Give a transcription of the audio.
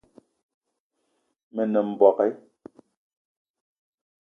Me nem mbogue